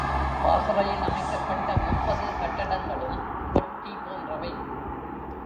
பாசறையில் அமைக்கப்பட்ட முப்பது கட்டடங் களும் பெட்டி போன்றவை.